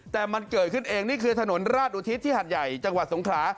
แต่มันเกิดขึ้นเองนี่คือถนนราชอุทิศที่หัดใหญ่จังหวัดสงขลา